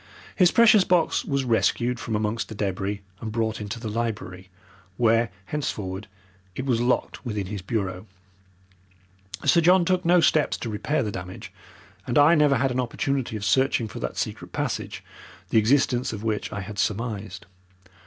His precious box was rescued from amongst the debris and brought into the library, where, henceforward, it was locked within his bureau. Sir John took no steps to repair the damage, and I never had an opportunity of searching for that secret passage, the existence of which I had surmised.